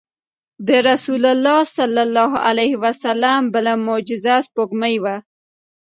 د رسول الله صلی الله علیه وسلم بله معجزه سپوږمۍ وه.